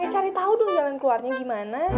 cari tahu dong jalan keluarnya gimana